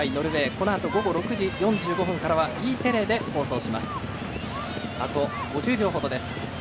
このあと午後６時４５分からはＥテレで放送します。